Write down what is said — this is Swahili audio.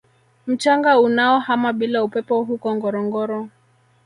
Mchanga unaohama bila upepo huko Ngorongoro